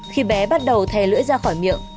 khi bé bắt đầu thè lưỡi ra khỏi miệng